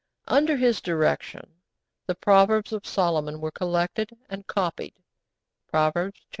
Under his direction the Proverbs of Solomon were collected and copied (Proverbs xxv.